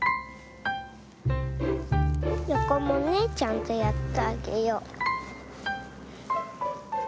よこもねちゃんとやってあげよう。